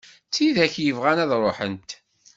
D tidak yebɣan ad ruḥent.